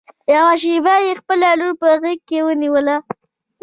يوه شېبه يې خپله لور په غېږ کې ونيوله.